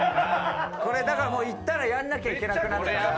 これだからもう言ったらやらなきゃいけなくなっちゃうから。